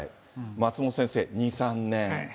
松本先生、２、３年。